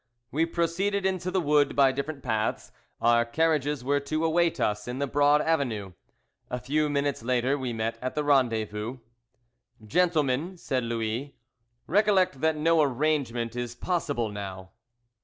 We proceeded into the wood by different paths. Our carriages were to await us in the broad avenue. A few minutes later we met at the rendezvous. "Gentlemen," said Louis, "recollect that no arrangement is possible now."